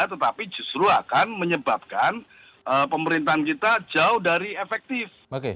tetapi justru akan menyebabkan pemerintahan kita jauh dari efektif